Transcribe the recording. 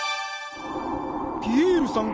ピエールさん